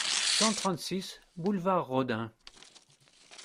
cent trente-six boulevard Rodin